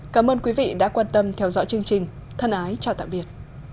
cảm ơn quý vị đã quan tâm theo dõi chương trình thân ái chào tạm biệt